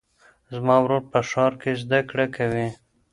زما ورور په ښار کې زده کړې کوي.